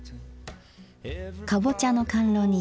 かぼちゃの甘露煮。